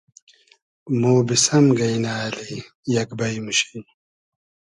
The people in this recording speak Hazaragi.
مۉ بیسئم گݷنۂ اللی یئگ بݷ موشی